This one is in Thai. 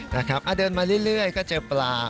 นะครับเดินมาเรื่อยก็เจอปลา